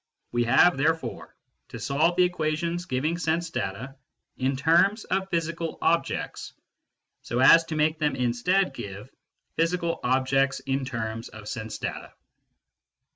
We have therefore to solve the equations giving sense data in terms of physical objects, so as to make them instead give physical objects in terms of sense data.